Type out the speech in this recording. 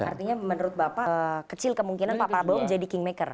artinya menurut bapak kecil kemungkinan pak prabowo menjadi kingmaker